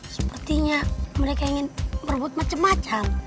sepertinya mereka ingin merebut macam macam